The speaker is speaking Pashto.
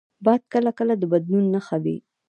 باد کله کله د بدلون نښه وي